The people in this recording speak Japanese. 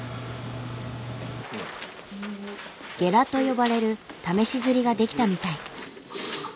「ゲラ」と呼ばれる試し刷りが出来たみたい。